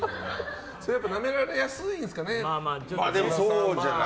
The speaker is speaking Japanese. なめられやすいんですかね？